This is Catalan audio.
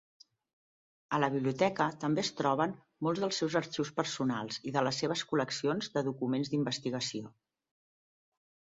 A la biblioteca també es troben molts dels seus arxius personals i de les seves col·leccions de documents d'investigació.